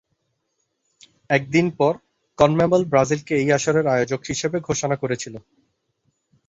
এক দিন পর, কনমেবল ব্রাজিলকে এই আসরের আয়োজক হিসেবে ঘোষণা করেছিল।